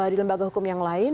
di lembaga hukum yang lain